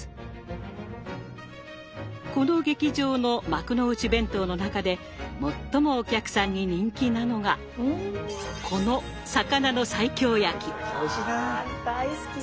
この劇場の幕の内弁当の中で最もお客さんに人気なのがこの魚のわ大好き。